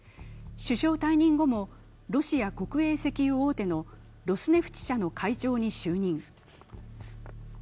首相退任後も、ロシア国営石油大手のロスネフチ社の会長に就任。